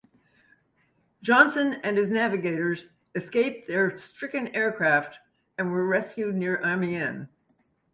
Johnson and his navigator escaped their stricken aircraft and were rescued near Amiens.